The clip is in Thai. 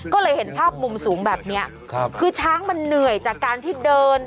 ก็เลยเห็นภาพมุมสูงแบบเนี้ยครับคือช้างมันเหนื่อยจากการที่เดิน